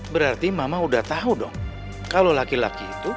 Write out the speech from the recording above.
berarti mama udah tahu dong kalau laki laki itu